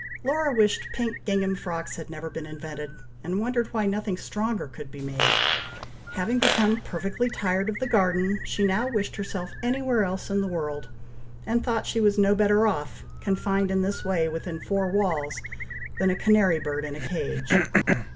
Laura wished pink gingham frocks had never been invented, and wondered why nothing stronger could be made! Having become perfectly tired of the garden, she now wished herself anywhere else in the world, and thought she was no better off, confined in this way within four walls, than a canary bird in a cage.